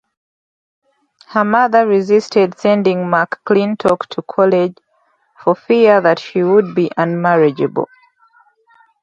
Her mother resisted sending McClintock to college, for fear that she would be unmarriageable.